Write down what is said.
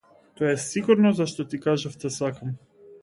Тоа е сигурно зашто ти кажав те сакам.